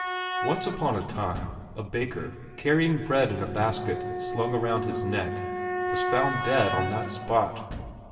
Once upon a time a baker carrying bread in a basket slung around his neck was found dead on that spot.